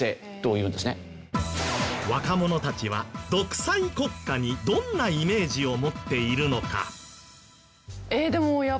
若者たちは独裁国家にどんなイメージを持っているのか？